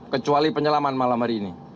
kecuali penyelaman malam hari ini